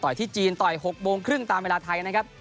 ที่จีนต่อย๖โมงครึ่งตามเวลาไทยนะครับ